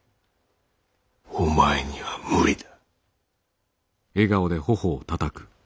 お前には無理だ。